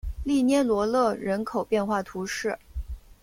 利涅罗勒人口变化图示